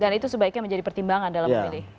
dan itu sebaiknya menjadi pertimbangan dalam memilih